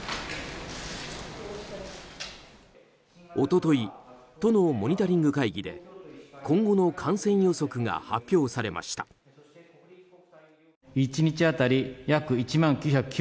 一昨日、都のモニタリング会議で今後の感染予測が発表されました。